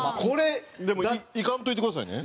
でも行かんといてくださいね。